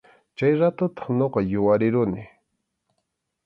Chay ratutaq ñuqa yuyarirquni.